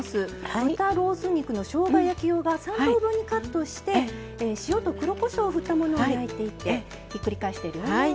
豚ロース肉のしょうが焼き用が３等分にカットして塩と黒こしょうをふったものを焼いていってひっくり返してる。